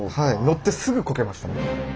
乗ってすぐこけました。